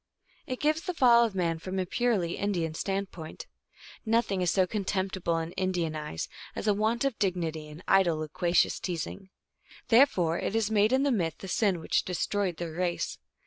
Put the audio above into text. It gives the Fall of Man from a purely Indian stand point. Nothing is so contemptible in Indian eyes as a want of dignity and idle, loquacious teasing ; there fore it is made in the myth the sin which destroyed their race.